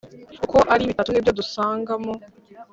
uko ari bitatu nibyo dusangamo